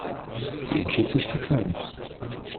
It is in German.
Sie entschied sich für Köln.